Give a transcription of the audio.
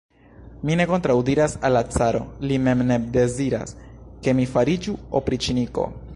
Mi ne kontraŭdiras al la caro, li mem ne deziras, ke mi fariĝu opriĉniko.